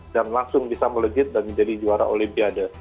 dan langsung bisa melejit dan menjadi juara olimpiade